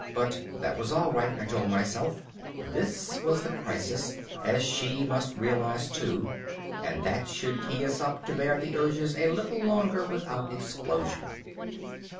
But that was all right, I told myself this was the crisis, as she must realize too, and that should key us up to bear the urges a little longer without explosion.